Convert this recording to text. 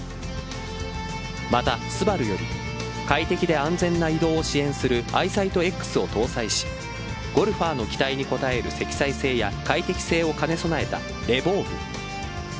またＳＵＢＡＲＵより快適で安全な移動を支援するアイサイトＸを搭載しゴルファーの期待に応える積載性や快適性を兼ね備えたレヴォーグ。